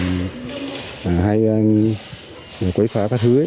đặc biệt là các đối tượng hay quấy phá các thứ